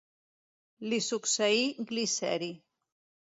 Li succeí Gliceri.